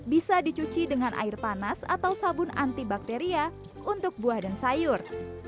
bisa dicuci dengan air panas atau sabun antibakteria untuk buah dan sayur